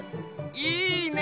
いいね！